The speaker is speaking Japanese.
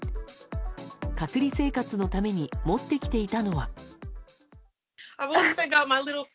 隔離生活のために持ってきていたのは。